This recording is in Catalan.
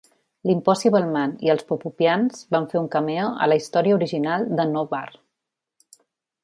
L'Impossible Man i els Poppupians van fer un cameo a la història original de Noh-Varr.